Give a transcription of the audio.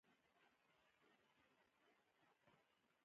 له خلکو سره په نرمي چلند وکړئ.